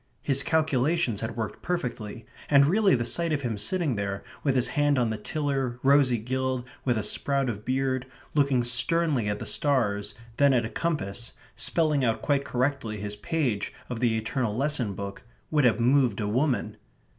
His calculations had worked perfectly, and really the sight of him sitting there, with his hand on the tiller, rosy gilled, with a sprout of beard, looking sternly at the stars, then at a compass, spelling out quite correctly his page of the eternal lesson book, would have moved a woman.